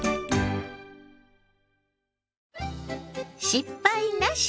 「失敗なし！